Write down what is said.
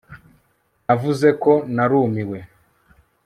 navuze ko narumiwe